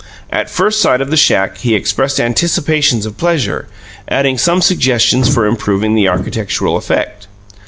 At first sight of the shack he expressed anticipations of pleasure, adding some suggestions for improving the architectural effect.